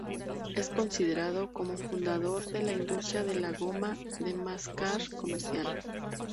Es considerado como fundador de la industria de la goma de mascar comercial.